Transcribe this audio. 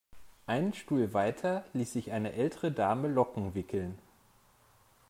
Einen Stuhl weiter ließ sich eine ältere Dame Locken wickeln.